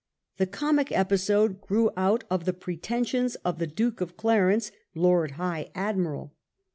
The comic episode grew out of the pre tensions of the Duke of Clarence, Lord High Admiral.